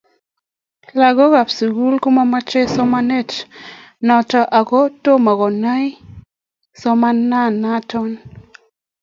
lagookab sugul komamache somananato agot kotomo koyae somananatok